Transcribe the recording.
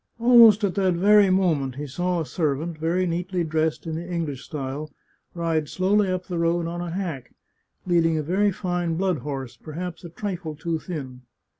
Almost at that very moment he saw a servant, very neatly dressed in the English style, ride slowly up the road on a hack, leading a very fine blood horse, perhaps a trifle too thin.